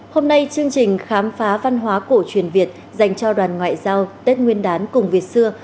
hôm nay chương trình khám phá văn hóa cổ truyền việt dành cho đoàn ngoại giao tết nguyên đán cùng về xưa